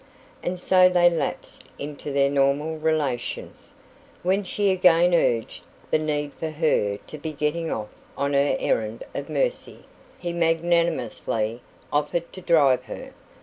And so they lapsed into their normal relations. When she again urged the need for her to be getting off on her errand of mercy, he magnanimously offered to drive her.